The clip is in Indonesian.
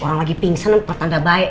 orang lagi pingsan pertanda baik